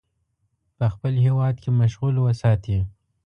په خپل هیواد کې مشغول وساتي.